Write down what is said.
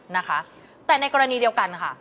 นะคะแต่ในกรณีเดียวกันค่ะ